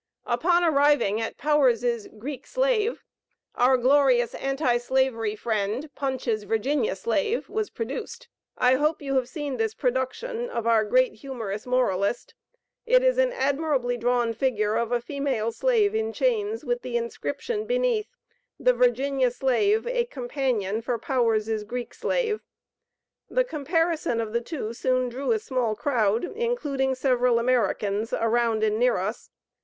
Upon arriving at Powers' Greek Slave, our glorious anti slavery friend, Punch's 'Virginia Slave' was produced. I hope you have seen this production of our great humorous moralist. It is an admirably drawn figure of a female slave in chains, with the inscription beneath, 'The Virginia Slave, a companion for Powers' Greek Slave.' The comparison of the two soon drew a small crowd, including several Americans, around and near us.